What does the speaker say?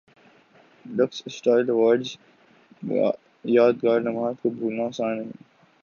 looks style award یادگار لمحات کو بھولنا اسان نہیں